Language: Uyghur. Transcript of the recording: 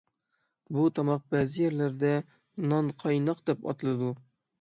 بۇ تاماق بەزى يەرلەردە «نانقايناق» دەپ ئاتىلىدۇ.